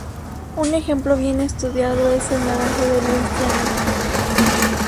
Un ejemplo bien estudiado es el naranjo de Luisiana.